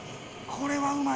これはうまい。